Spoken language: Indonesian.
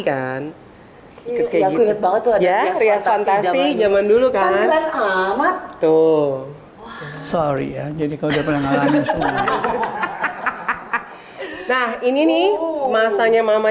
kan ya kuygit banget tuh aja sejumlah dulu kan tuh sorry jadi kau udah pernah nah ini nih masanya mama